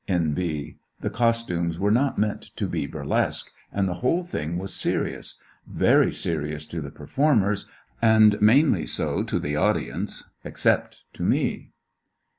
(N. B. The costumes were not meant to be burlesque; and the whole thing was serious— very serious to the performers, and mainly so to the audi ence—except to me.)